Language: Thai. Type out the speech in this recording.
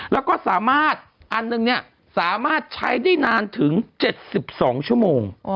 แล้วก็สามารถอันหนึ่งสามารถใช้ได้นานถึง๗๒ชั่วโมง